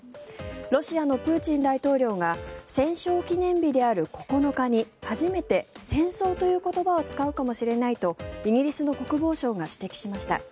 ロシアのプーチン大統領が戦勝記念日である９日に初めて戦争という言葉を使うかもしれないとイギリスの国防省が指摘しました。